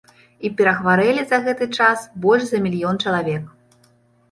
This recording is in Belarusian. І перахварэлі за гэты час больш за мільён чалавек.